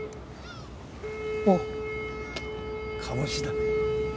おっ鴨志田。